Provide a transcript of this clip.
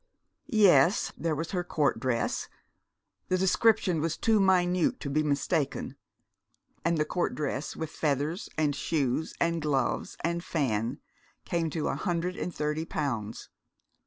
Yes, there was her court dress. The description was too minute to be mistaken; and the court dress, with feathers, and shoes, and gloves, and fan, came to a hundred and thirty pounds.